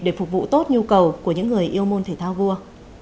để phục vụ tốt nhu cầu của những người yêu môn thể thao vua